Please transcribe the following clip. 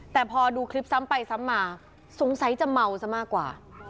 แต่พอดูคลิปซ้ำไปซ้ำมาสงสัยจะเมาซะมากกว่า